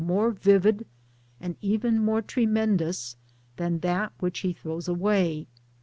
more vivid and even more tremendous than that which he throws away.